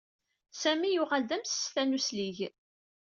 Sami yuɣal d amsestan uslig.